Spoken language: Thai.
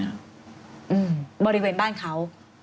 บริเวณบ้านเขา